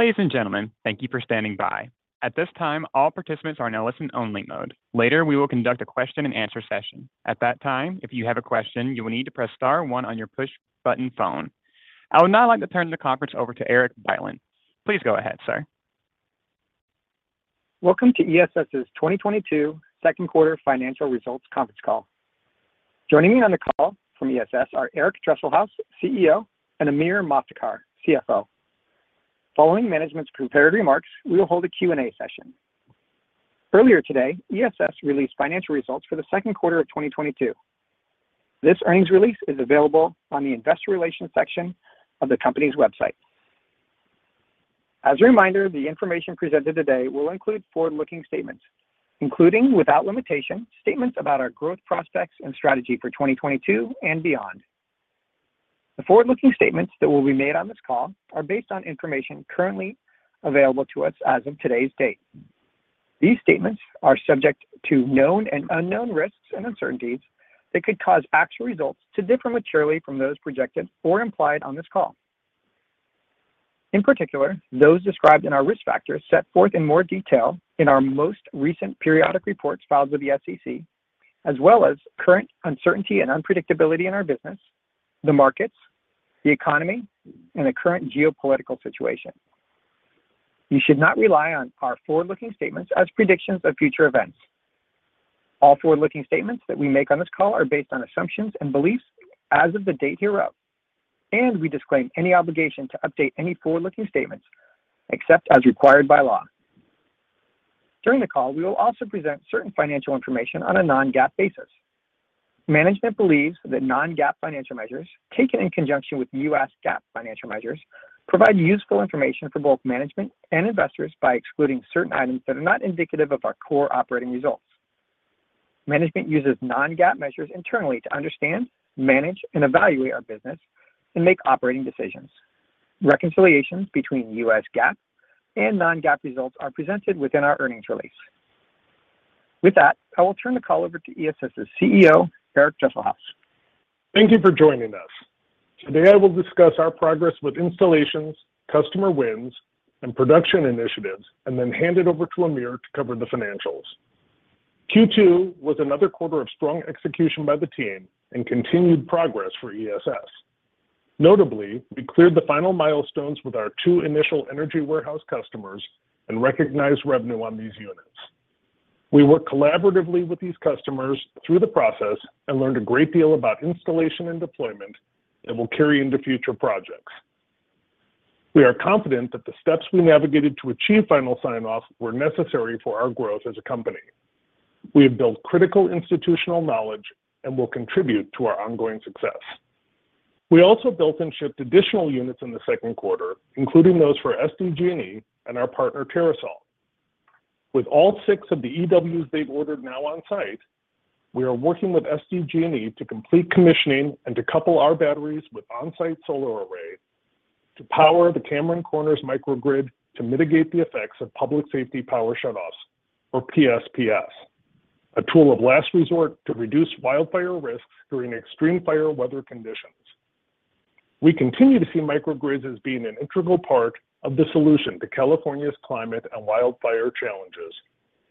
Ladies and gentlemen, thank you for standing by. At this time, all participants are in a listen only mode. Later, we will conduct a question and answer session. At that time, if you have a question, you will need to press star one on your push-button phone. I would now like to turn the conference over to Erik Bylin. Please go ahead, sir. Welcome to ESS's 2022 second quarter financial results conference call. Joining me on the call from ESS are Eric Dresselhuys, CEO, and Amir Moftakhar, CFO. Following management's prepared remarks, we will hold a Q&A session. Earlier today, ESS released financial results for the second quarter of 2022. This earnings release is available on the investor relations section of the company's website. As a reminder, the information presented today will include forward-looking statements, including without limitation, statements about our growth prospects and strategy for 2022 and beyond. The forward-looking statements that will be made on this call are based on information currently available to us as of today's date. These statements are subject to known and unknown risks and uncertainties that could cause actual results to differ materially from those projected or implied on this call. In particular, those described in our risk factors set forth in more detail in our most recent periodic reports filed with the SEC, as well as current uncertainty and unpredictability in our business, the markets, the economy, and the current geopolitical situation. You should not rely on our forward-looking statements as predictions of future events. All forward-looking statements that we make on this call are based on assumptions and beliefs as of the date hereof, and we disclaim any obligation to update any forward-looking statements except as required by law. During the call, we will also present certain financial information on a non-GAAP basis. Management believes that non-GAAP financial measures, taken in conjunction with U.S. GAAP financial measures, provide useful information for both management and investors by excluding certain items that are not indicative of our core operating results. Management uses non-GAAP measures internally to understand, manage, and evaluate our business and make operating decisions. Reconciliations between U.S. GAAP and non-GAAP results are presented within our earnings release. With that, I will turn the call over to ESS's CEO, Eric Dresselhuys. Thank you for joining us. Today, I will discuss our progress with installations, customer wins, and production initiatives, and then hand it over to Amir to cover the financials. Q2 was another quarter of strong execution by the team and continued progress for ESS. Notably, we cleared the final milestones with our two initial Energy Warehouse customers and recognized revenue on these units. We worked collaboratively with these customers through the process and learned a great deal about installation and deployment that will carry into future projects. We are confident that the steps we navigated to achieve final sign-off were necessary for our growth as a company. We have built critical institutional knowledge and will contribute to our ongoing success. We also built and shipped additional units in the second quarter, including those for SDG&E and our partner, TerraSol. With all six of the EWs they've ordered now on-site, we are working with SDG&E to complete commissioning and to couple our batteries with on-site solar array to power the Cameron Corners Microgrid to mitigate the effects of public safety power shutoffs, or PSPS, a tool of last resort to reduce wildfire risks during extreme fire weather conditions. We continue to see microgrids as being an integral part of the solution to California's climate and wildfire challenges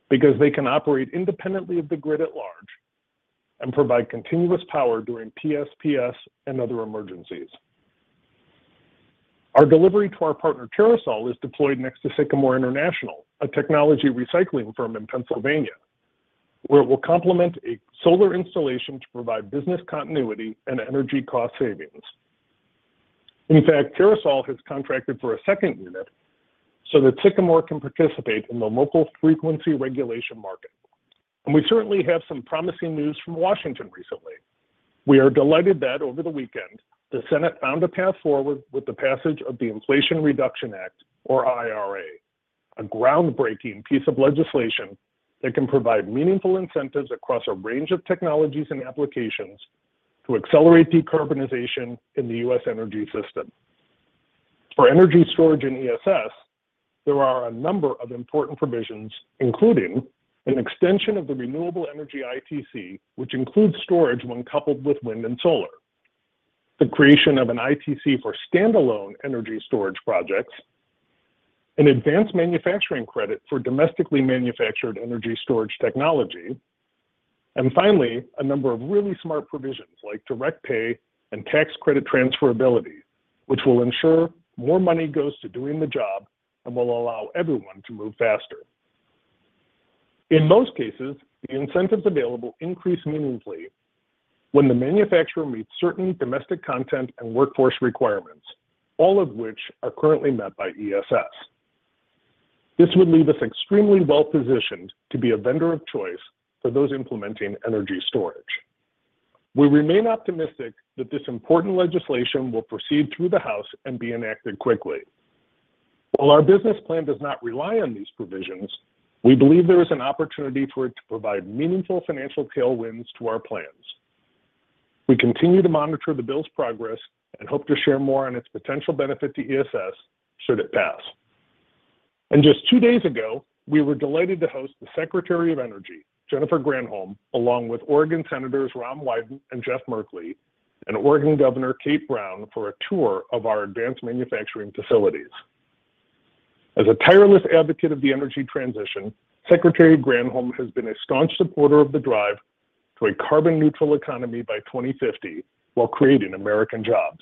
because they can operate independently of the grid at large and provide continuous power during PSPS and other emergencies. Our delivery to our partner, TerraSol, is deployed next to Sycamore International, a technology recycling firm in Pennsylvania, where it will complement a solar installation to provide business continuity and energy cost savings. In fact, TerraSol has contracted for a second unit so that Sycamore can participate in the local frequency regulation market. We certainly have some promising news from Washington recently. We are delighted that over the weekend, the Senate found a path forward with the passage of the Inflation Reduction Act, or IRA, a groundbreaking piece of legislation that can provide meaningful incentives across a range of technologies and applications to accelerate decarbonization in the U.S. energy system. For energy storage and ESS, there are a number of important provisions, including an extension of the Renewable Energy ITC, which includes storage when coupled with wind and solar, the creation of an ITC for standalone energy storage projects, an advanced manufacturing credit for domestically manufactured energy storage technology, and finally, a number of really smart provisions like direct pay and tax credit transferability, which will ensure more money goes to doing the job and will allow everyone to move faster. In most cases, the incentives available increase meaningfully when the manufacturer meets certain domestic content and workforce requirements, all of which are currently met by ESS. This would leave us extremely well-positioned to be a vendor of choice for those implementing energy storage. We remain optimistic that this important legislation will proceed through the House and be enacted quickly. While our business plan does not rely on these provisions, we believe there is an opportunity for it to provide meaningful financial tailwinds to our plans. We continue to monitor the Bill's progress and hope to share more on its potential benefit to ESS should it pass. Just two days ago, we were delighted to host the Secretary of Energy, Jennifer Granholm, along with Oregon Senators Ron Wyden and Jeff Merkley, and Oregon Governor Kate Brown, for a tour of our advanced manufacturing facilities. As a tireless advocate of the energy transition, Secretary Granholm has been a staunch supporter of the drive to a carbon neutral economy by 2050 while creating American jobs.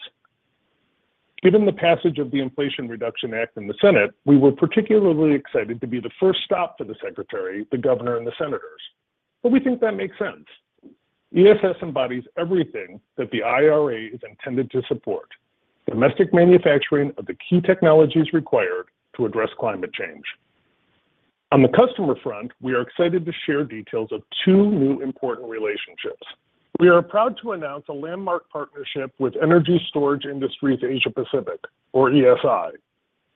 Given the passage of the Inflation Reduction Act in the Senate, we were particularly excited to be the first stop for the Secretary, the Governor, and the Senators. We think that makes sense. ESS embodies everything that the IRA is intended to support, domestic manufacturing of the key technologies required to address climate change. On the customer front, we are excited to share details of two new important relationships. We are proud to announce a landmark partnership with Energy Storage Industries Asia Pacific, or ESI,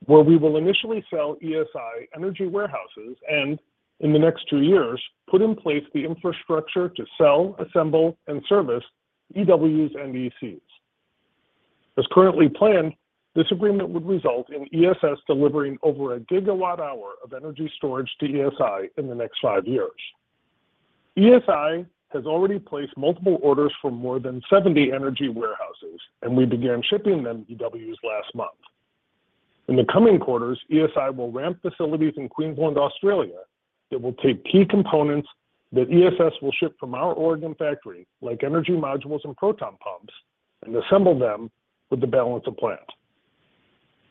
where we will initially sell ESI Energy Warehouses and, in the next two years, put in place the infrastructure to sell, assemble and service EWs and ECs. As currently planned, this agreement would result in ESS delivering over 1 GWh of energy storage to ESI in the next five years. ESI has already placed multiple orders for more than 70 Energy Warehouses, and we began shipping them EWs last month. In the coming quarters, ESI will ramp facilities in Queensland, Australia, that will take key components that ESS will ship from our Oregon factory, like energy modules and proton pumps, and assemble them with the balance of plant.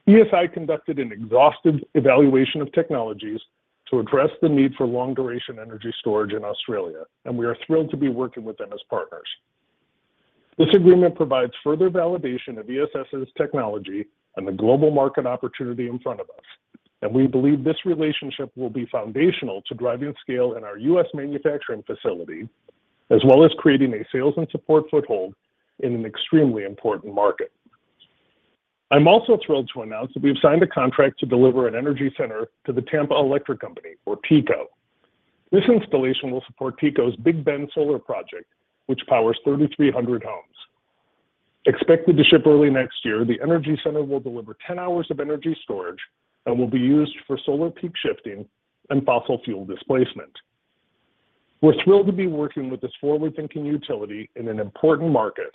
ESI conducted an exhaustive evaluation of technologies to address the need for Long-Duration Energy Storage in Australia, and we are thrilled to be working with them as partners. This agreement provides further validation of ESS' technology and the global market opportunity in front of us, and we believe this relationship will be foundational to driving scale in our U.S. manufacturing facility, as well as creating a sales and support foothold in an extremely important market. I'm also thrilled to announce that we've signed a contract to deliver an Energy Center to the Tampa Electric Company, or TECO. This installation will support TECO's Big Bend Solar Project, which powers 3,300 homes. Expected to ship early next year, the Energy Center will deliver 10 hours of energy storage and will be used for solar peak shifting and fossil fuel displacement. We're thrilled to be working with this forward-thinking utility in an important market,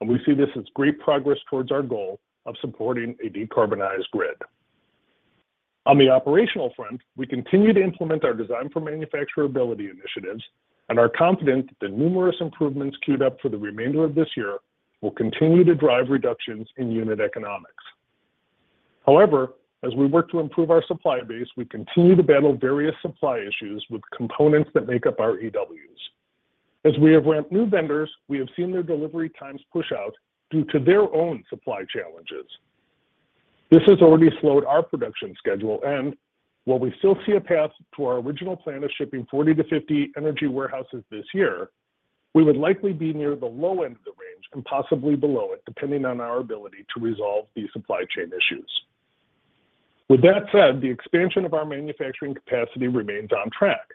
and we see this as great progress towards our goal of supporting a decarbonized grid. On the operational front, we continue to implement our design for manufacturability initiatives and are confident that the numerous improvements queued up for the remainder of this year will continue to drive reductions in unit economics. However, as we work to improve our supply base, we continue to battle various supply issues with components that make up our EWs. As we have ramped new vendors, we have seen their delivery times push out due to their own supply challenges. This has already slowed our production schedule, and while we still see a path to our original plan of shipping 40-50 Energy Warehouses this year, we would likely be near the low end of the range and possibly below it, depending on our ability to resolve these supply chain issues. With that said, the expansion of our manufacturing capacity remains on track.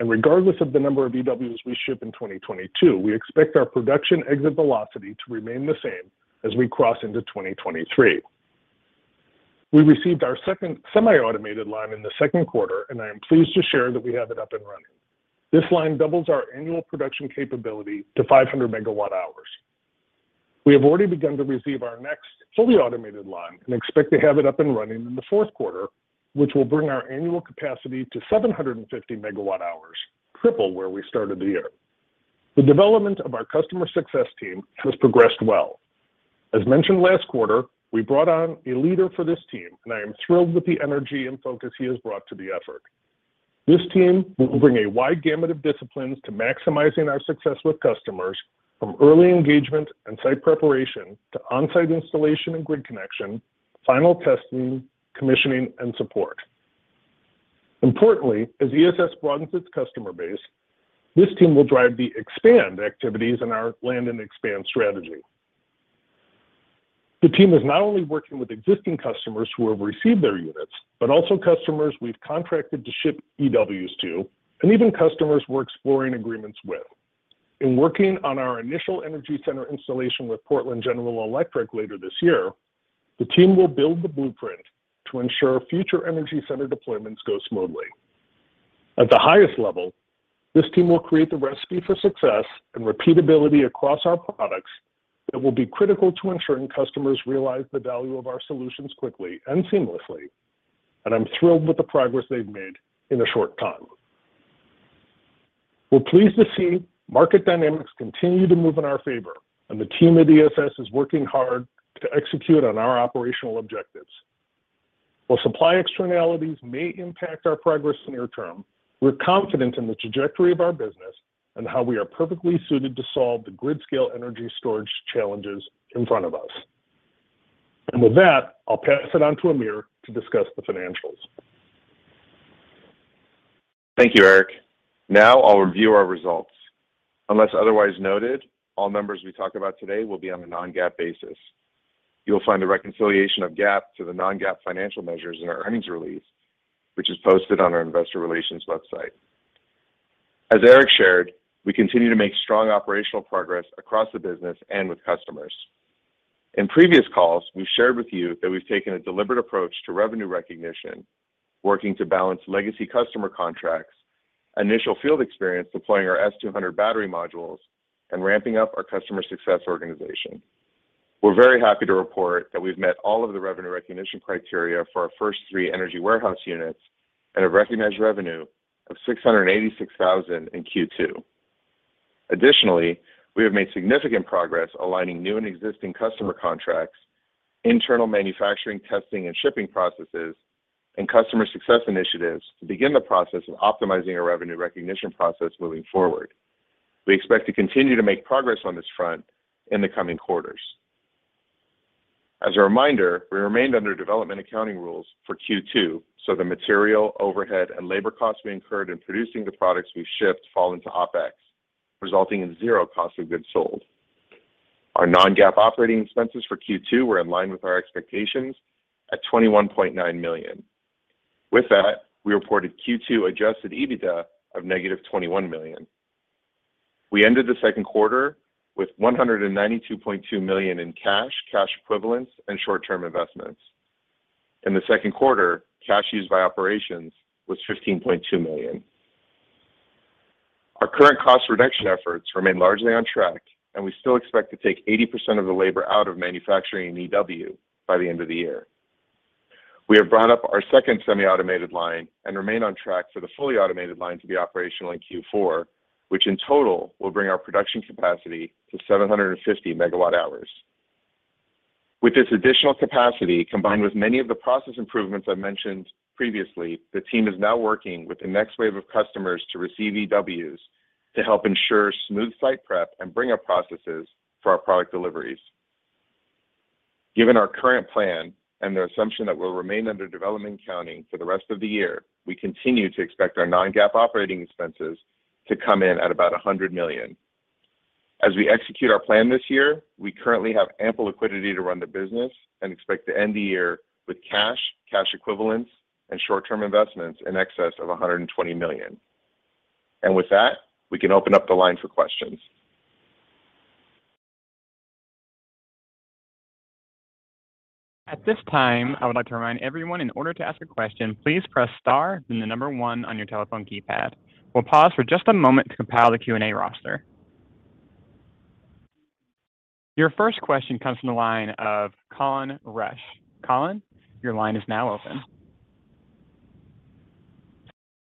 Regardless of the number of EWs we ship in 2022, we expect our production exit velocity to remain the same as we cross into 2023. We received our second semi-automated line in the second quarter, and I am pleased to share that we have it up and running. This line doubles our annual production capability to 500 MWh. We have already begun to receive our next fully automated line and expect to have it up and running in the fourth quarter, which will bring our annual capacity to 750 MWh, triple where we started the year. The development of our customer success team has progressed well. As mentioned last quarter, we brought on a leader for this team, and I am thrilled with the energy and focus he has brought to the effort. This team will bring a wide gamut of disciplines to maximizing our success with customers from early engagement and site preparation to on-site installation and grid connection, final testing, commissioning, and support. Importantly, as ESS broadens its customer base, this team will drive the expansion activities in our land and expand strategy. The team is not only working with existing customers who have received their units, but also customers we've contracted to ship EWs to and even customers we're exploring agreements with. In working on our initial Energy Center installation with Portland General Electric later this year, the team will build the blueprint to ensure future Energy Center deployments go smoothly. At the highest level, this team will create the recipe for success and repeatability across our products that will be critical to ensuring customers realize the value of our solutions quickly and seamlessly. I'm thrilled with the progress they've made in a short time. We're pleased to see market dynamics continue to move in our favor, and the team at ESS is working hard to execute on our operational objectives. While supply externalities may impact our progress near term, we're confident in the trajectory of our business and how we are perfectly suited to solve the grid scale energy storage challenges in front of us. With that, I'll pass it on to Amir to discuss the financials. Thank you, Eric. Now I'll review our results. Unless otherwise noted, all numbers we talk about today will be on a non-GAAP basis. You will find the reconciliation of GAAP to the non-GAAP financial measures in our earnings release, which is posted on our investor relations website. As Eric shared, we continue to make strong operational progress across the business and with customers. In previous calls, we've shared with you that we've taken a deliberate approach to revenue recognition, working to balance legacy customer contracts, initial field experience deploying our S200 battery modules, and ramping up our customer success organization. We're very happy to report that we've met all of the revenue recognition criteria for our first three Energy Warehouse units and have recognized revenue of $686,000 in Q2. We have made significant progress aligning new and existing customer contracts, internal manufacturing, testing, and shipping processes, and customer success initiatives to begin the process of optimizing our revenue recognition process moving forward. We expect to continue to make progress on this front in the coming quarters. As a reminder, we remained under development stage accounting rules for Q2, so the material, overhead, and labor costs we incurred in producing the products we shipped fall into OpEx, resulting in $0 cost of goods sold. Our non-GAAP operating expenses for Q2 were in line with our expectations at $21.9 million. With that, we reported Q2 adjusted EBITDA of -$21 million. We ended the second quarter with $192.2 million in cash equivalents, and short-term investments. In the second quarter, cash used by operations was $15.2 million. Our current cost reduction efforts remain largely on track, and we still expect to take 80% of the labor out of manufacturing in EW by the end of the year. We have brought up our second semi-automated line and remain on track for the fully automated line to be operational in Q4, which in total will bring our production capacity to 750 MWh. With this additional capacity, combined with many of the process improvements I mentioned previously, the team is now working with the next wave of customers to receive EWs to help ensure smooth site prep and bring up processes for our product deliveries. Given our current plan and the assumption that we'll remain under development accounting for the rest of the year, we continue to expect our non-GAAP operating expenses to come in at about $100 million. As we execute our plan this year, we currently have ample liquidity to run the business and expect to end the year with cash equivalents, and short-term investments in excess of $120 million. With that, we can open up the line for questions. At this time, I would like to remind everyone in order to ask a question, please press star, then the number one on your telephone keypad. We'll pause for just a moment to compile the Q&A roster. Your first question comes from the line of Colin Rusch. Colin, your line is now open.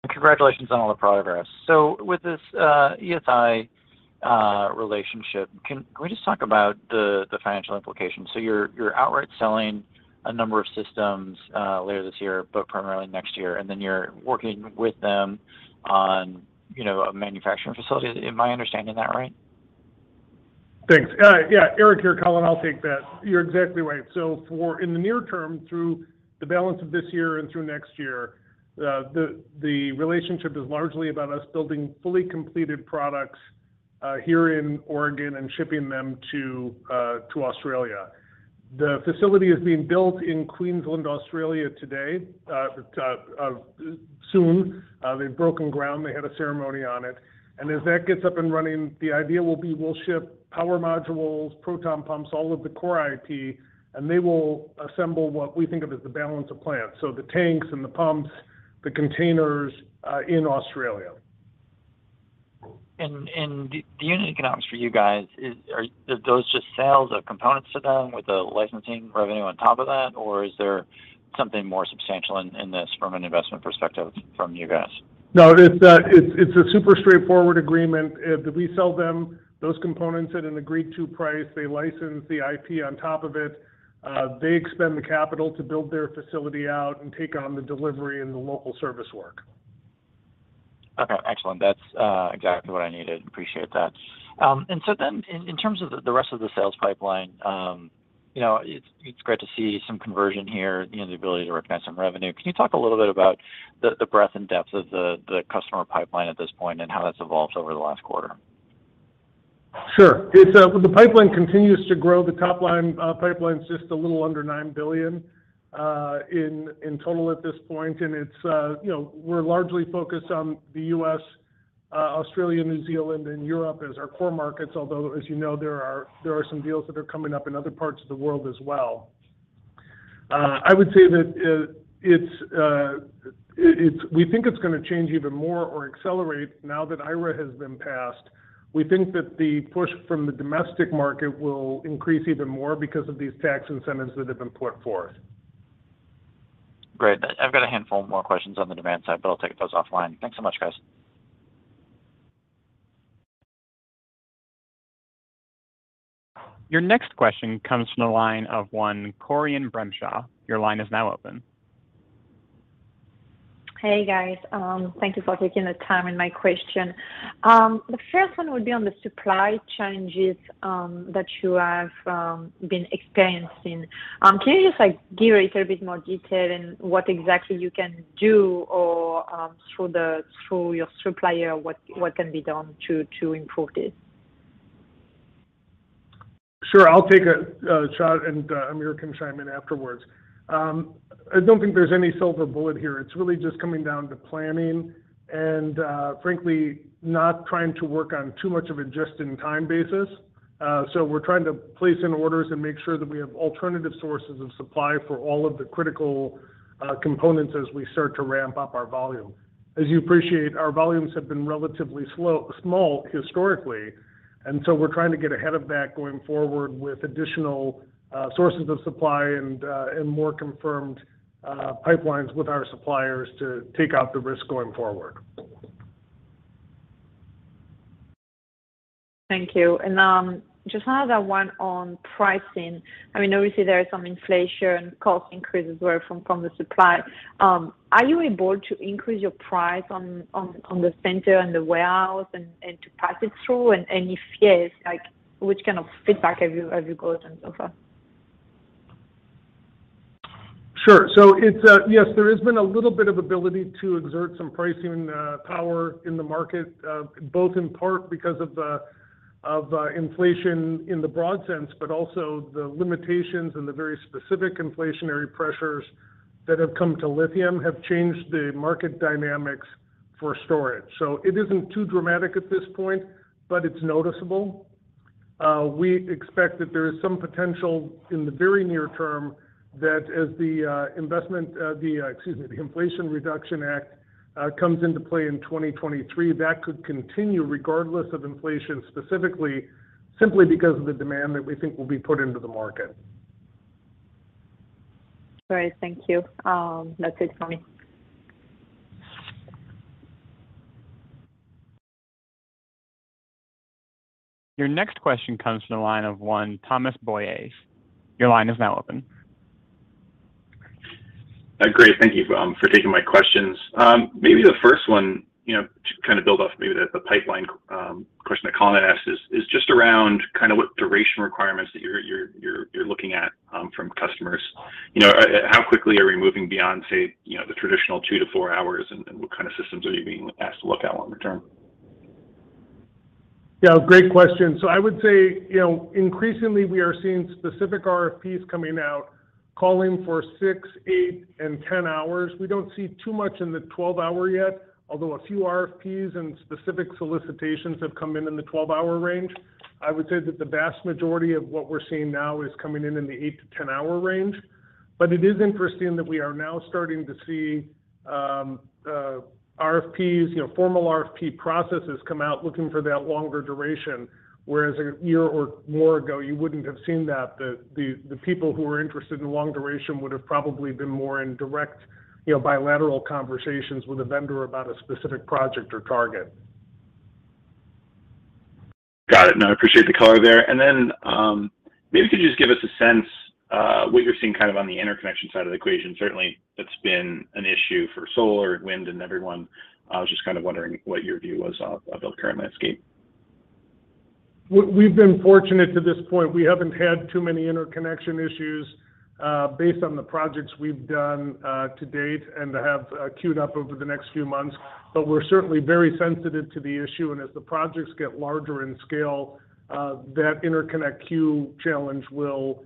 Congratulations on all the progress. With this ESI relationship, can we just talk about the financial implications? You're outright selling a number of systems later this year, but primarily next year, and then you're working with them on, you know, a manufacturing facility. Am I understanding that right? Thanks. Yeah, Eric here, Colin. I'll take that. You're exactly right. In the near term, through the balance of this year and through next year, the relationship is largely about us building fully completed products here in Oregon and shipping them to Australia. The facility is being built in Queensland, Australia today. Soon, they've broken ground. They had a ceremony on it. As that gets up and running, the idea will be we'll ship power modules, proton pumps, all of the core IT, and they will assemble what we think of as the balance of plant, so the tanks and the pumps, the containers, in Australia. The unit economics for you guys, did those just sell the components to them with the licensing revenue on top of that? Or is there something more substantial in this from an investment perspective from you guys? No, it's a super straightforward agreement. That we sell them those components at an agreed to price. They license the IP on top of it. They expend the capital to build their facility out and take on the delivery and the local service work. Okay, excellent. That's exactly what I needed. Appreciate that. In terms of the rest of the sales pipeline, you know, it's great to see some conversion here, you know, the ability to recognize some revenue. Can you talk a little bit about the breadth and depth of the customer pipeline at this point and how that's evolved over the last quarter? Sure. It's the pipeline continues to grow. The top-line pipeline's just a little under $9 billion in total at this point. It's you know, we're largely focused on the U.S., Australia, New Zealand, and Europe as our core markets. Although, as you know, there are some deals that are coming up in other parts of the world as well. I would say that we think it's gonna change even more or accelerate now that IRA has been passed. We think that the push from the domestic market will increase even more because of these tax incentives that have been put forth. Great. I've got a handful more questions on the demand side, but I'll take those offline. Thanks so much, guys. Your next question comes from the line of one Corinne Blanchard. Your line is now open. Hey, guys. Thank you for taking the time and my question. The first one would be on the supply challenges that you have been experiencing. Can you just like give a little bit more detail in what exactly you can do or through your supplier, what can be done to improve this? Sure. I'll take a shot, and Amir can chime in afterwards. I don't think there's any silver bullet here. It's really just coming down to planning and, frankly, not trying to work on too much of a just-in-time basis. We're trying to place in orders and make sure that we have alternative sources of supply for all of the critical components as we start to ramp up our volume. As you appreciate, our volumes have been relatively small historically. We're trying to get ahead of that going forward with additional sources of supply and more confirmed pipelines with our suppliers to take out the risk going forward. Thank you. Just another one on pricing. I mean, obviously there is some inflation, cost increases were from the supply. Are you able to increase your price on the Center and the Warehouse and to pass it through? If yes, like, which kind of feedback have you got so far? Sure. It's Yes, there has been a little bit of ability to exert some pricing power in the market, both in part because of inflation in the broad sense, but also the limitations and the very specific inflationary pressures that have come to lithium have changed the market dynamics for storage. It isn't too dramatic at this point, but it's noticeable. We expect that there is some potential in the very near term that as the Inflation Reduction Act comes into play in 2023, that could continue regardless of inflation specifically, simply because of the demand that we think will be put into the market. Great. Thank you. That's it for me. Your next question comes from the line of one Thomas Boyes. Your line is now open. Great. Thank you for taking my questions. Maybe the first one, you know, to kind of build off maybe the pipeline question that Colin asked is just around kind of what duration requirements that you're looking at from customers. You know, how quickly are we moving beyond, say, you know, the traditional two to four hours, and what kind of systems are you being asked to look at longer term? Yeah, great question. I would say, you know, increasingly we are seeing specific RFPs coming out, calling for six, eight, and 10 hours. We don't see too much in the 12-hour yet, although a few RFPs and specific solicitations have come in in the 12-hour range. I would say that the vast majority of what we're seeing now is coming in in the eight to 10-hour range. It is interesting that we are now starting to see RFPs, you know, formal RFP processes come out looking for that longer duration, whereas a year or more ago you wouldn't have seen that. The people who were interested in long duration would've probably been more in direct, you know, bilateral conversations with a vendor about a specific project or target. Got it. No, I appreciate the color there. Maybe if you could just give us a sense, what you're seeing kind of on the interconnection side of the equation. Certainly that's been an issue for solar, wind, and everyone. I was just kind of wondering what your view was of the current landscape. We've been fortunate to this point. We haven't had too many interconnection issues, based on the projects we've done to date and that have queued up over the next few months. We're certainly very sensitive to the issue, and as the projects get larger in scale, that interconnect queue challenge will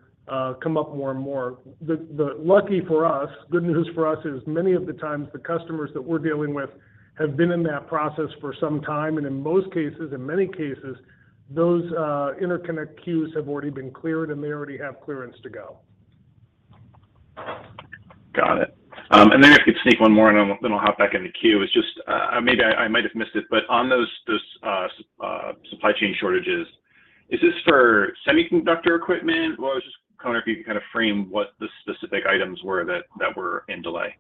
come up more and more. The good news for us is many times the customers that we're dealing with have been in that process for some time, and in most cases, in many cases, those interconnect queues have already been cleared, and they already have clearance to go. Got it. If I could sneak one more, I'll hop back in the queue. It's just, maybe I might have missed it, but on those supply chain shortages, is this for semiconductor equipment? I was just wondering if you could kind of frame what the specific items were that were in delay.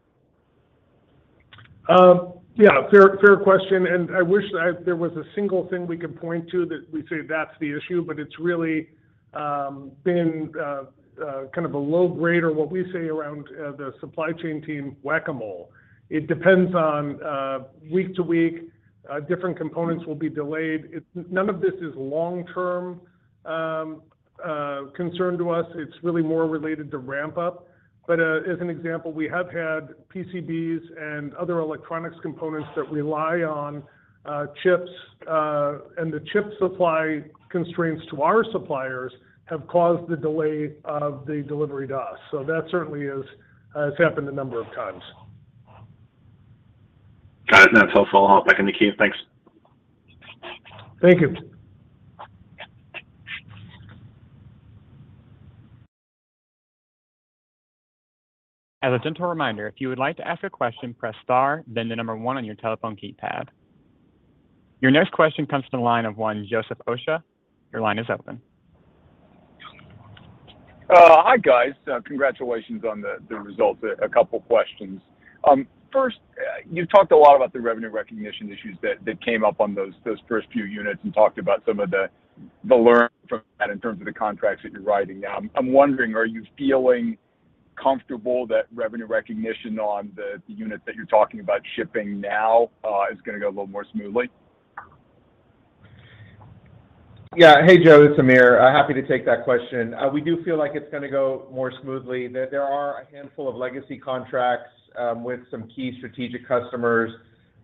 Yeah. Fair question. I wish there was a single thing we could point to that we'd say that's the issue, but it's really been kind of a low grade or what we say around the supply chain team, Whac-A-Mole. It depends on week to week, different components will be delayed. None of this is long-term concern to us. It's really more related to ramp up. As an example, we have had PCBs and other electronic components that rely on chips, and the chip supply constraints to our suppliers have caused the delay of the delivery to us. That certainly has happened a number of times. Got it. No, that's helpful. I'll hop back in the queue. Thanks. Thank you. As a gentle reminder, if you would like to ask a question, press star then the number on your telephone keypad. Your next question comes from the line of Joseph Osha. Your line is open. Hi, guys. Congratulations on the results. A couple questions. First, you've talked a lot about the revenue recognition issues that came up on those first few units and talked about some of the learnings from that in terms of the contracts that you're writing now. I'm wondering, are you feeling comfortable that revenue recognition on the units that you're talking about shipping now is gonna go a little more smoothly? Yeah. Hey, Joe, it's Amir. Happy to take that question. We do feel like it's gonna go more smoothly. There are a handful of legacy contracts with some key strategic customers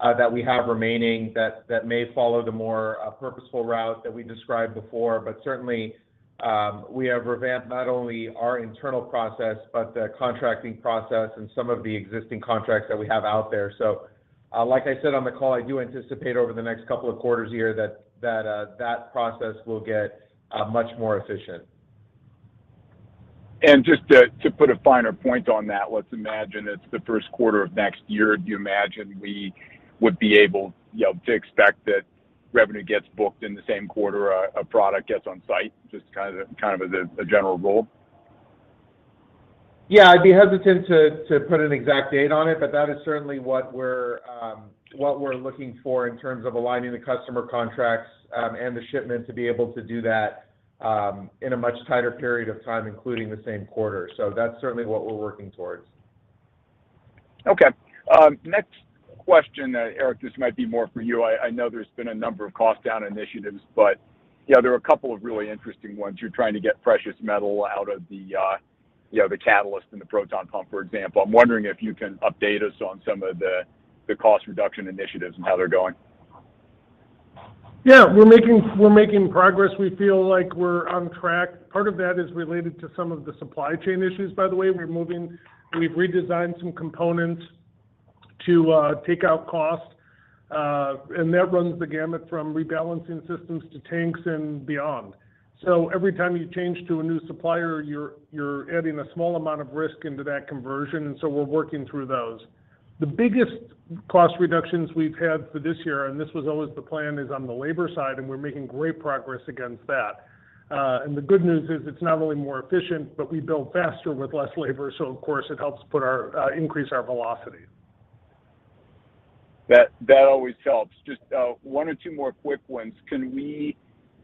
that we have remaining that may follow the more purposeful route that we described before. Certainly- We have revamped not only our internal process, but the contracting process and some of the existing contracts that we have out there. Like I said on the call, I do anticipate over the next couple of quarters here that process will get much more efficient. Just to put a finer point on that, let's imagine it's the first quarter of next year. Do you imagine we would be able, you know, to expect that revenue gets booked in the same quarter a product gets on site? Just kind of as a general rule. Yeah, I'd be hesitant to put an exact date on it, but that is certainly what we're looking for in terms of aligning the customer contracts, and the shipment to be able to do that, in a much tighter period of time, including the same quarter. That's certainly what we're working towards. Okay. Next question, Eric, this might be more for you. I know there's been a number of cost down initiatives, but yeah, there are a couple of really interesting ones. You're trying to get precious metal out of the, you know, the catalyst and the proton pump, for example. I'm wondering if you can update us on some of the cost reduction initiatives and how they're going. Yeah. We're making progress. We feel like we're on track. Part of that is related to some of the supply chain issues, by the way. We've redesigned some components to take out cost, and that runs the gamut from rebalancing systems to tanks and beyond. Every time you change to a new supplier, you're adding a small amount of risk into that conversion, and we're working through those. The biggest cost reductions we've had for this year, and this was always the plan, is on the labor side, and we're making great progress against that. The good news is it's not only more efficient, but we build faster with less labor, so of course, it helps increase our velocity. That always helps. Just one or two more quick ones. Can we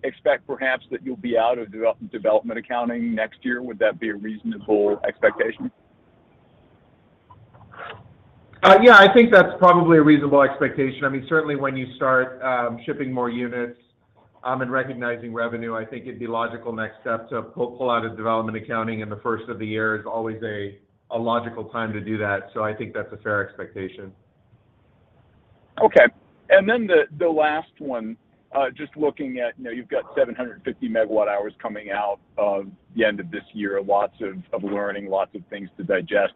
expect perhaps that you'll be out of development accounting next year? Would that be a reasonable expectation? Yeah, I think that's probably a reasonable expectation. I mean, certainly when you start shipping more units and recognizing revenue, I think it'd be logical next step to pull out of development accounting, and the first of the year is always a logical time to do that. I think that's a fair expectation. Okay. The last one, just looking at, you know, you've got 750 MWh coming out of the end of this year. Lots of learning, lots of things to digest.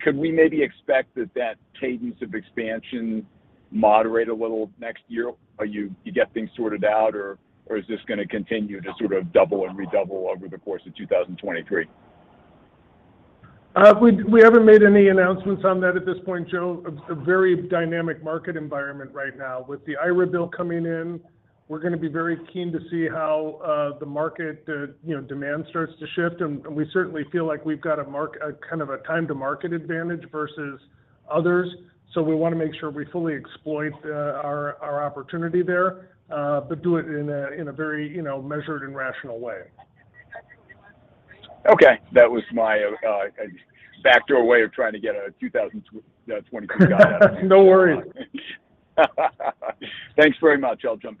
Could we maybe expect that cadence of expansion moderate a little next year? Are you get things sorted out or is this gonna continue to sort of double and redouble over the course of 2023? We haven't made any announcements on that at this point, Joe. It's a very dynamic market environment right now. With the IRA bill coming in, we're gonna be very keen to see how the market you know demand starts to shift. We certainly feel like we've got a kind of a time to market advantage versus others. We wanna make sure we fully exploit our opportunity there, but do it in a very you know measured and rational way. Okay. That was my backdoor way of trying to get a 2023 guide out of you. No worries. Thanks very much. I'll jump back on.